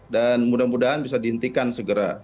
dan mudah mudahan bisa dihentikan segera